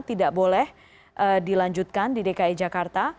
tidak boleh dilanjutkan di dki jakarta